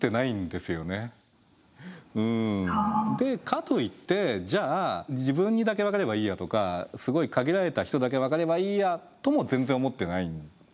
かといってじゃあ自分にだけ分かればいいやとかすごい限られた人だけ分かればいいやとも全然思ってないっていうね。